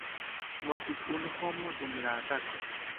Mortis unu homo dum la atako.